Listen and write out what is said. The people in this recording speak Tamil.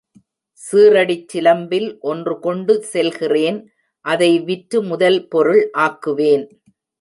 சீறடிச்சிலம்பில் ஒன்று கொண்டு செல்கிறேன் அதை விற்று முதல் பொருள் ஆக்குவேன்.